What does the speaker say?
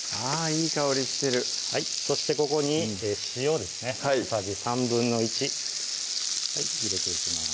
いい香りしてるはいそしてここに塩ですね小さじ１／３入れていきます